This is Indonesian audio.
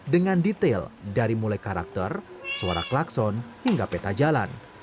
dengan detail dari mulai karakter suara klakson hingga peta jalan